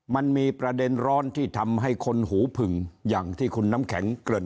มันมีประเด็นร้อนที่ทำให้คนหูผึ่งอย่างที่คุณน้ำแข็งเกริ่น